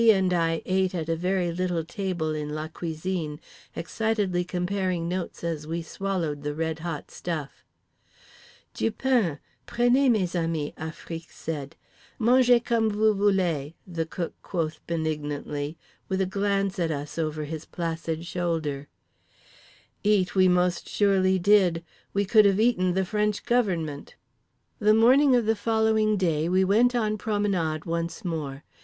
and I ate at a very little table in la cuisine, excitedly comparing notes as we swallowed the red hot stuff…. "Du pain; prenez, mes amis," Afrique said. "Mangez comme vous voulez" the Cook quoth benignantly, with a glance at us over his placid shoulder…. Eat we most surely did. We could have eaten the French Government. The morning of the following day we went on promenade once more.